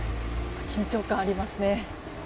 緊張感ありますね。